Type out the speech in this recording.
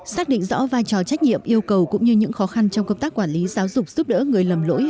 xác định rõ vai trò trách nhiệm yêu cầu cũng như những khó khăn trong công tác quản lý giáo dục giúp đỡ người lầm lỗi